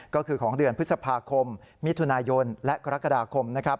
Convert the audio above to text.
ก็คือของเดือนพฤษภาคมมิถุนายนและกรกฎาคมนะครับ